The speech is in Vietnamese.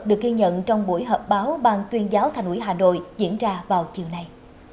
được ghi nhận trong buổi họp báo ban tuyên giáo thành ủy hà nội diễn ra vào chiều nay